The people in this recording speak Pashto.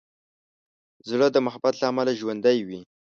زړه د محبت له امله ژوندی وي.